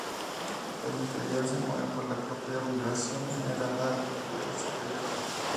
El inferior se mueve por la propia vibración generada al golpear el superior.